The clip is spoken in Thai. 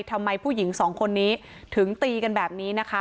ทำไมผู้หญิงสองคนนี้ถึงตีกันแบบนี้นะคะ